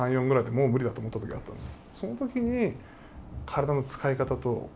もう無理だ」と思った時あったんです。